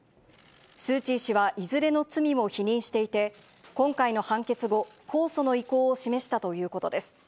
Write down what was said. スー・チー氏はいずれの罪も否認していて、今回の判決後、控訴の意向を示したということです。